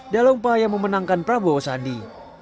dalam upaya memenangkan prabowo sandi